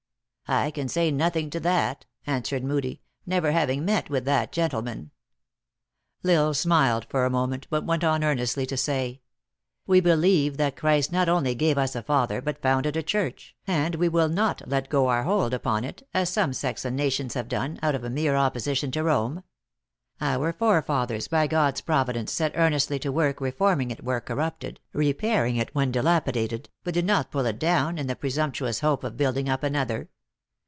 "I can say nothing to that," answered Moodie, " never having met with that gentleman." L Isle smiled for a moment, but went on earnestly to say :" We believe that Christ not only gave us a father, but founded a church, and we will not let go our hold upon it, as some sects and nations have done, out of mere opposition to Rome. Our forefathers by God s providence, set earnestly to work reforming it where corrupted, repairing it when dilapidated, but did not pull it down, in the presumptuous hope of building up another.